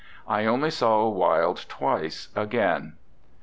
I only saw Wilde twice again.